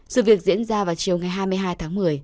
sự việc diễn ra vào chiều ngày hai mươi hai tháng một mươi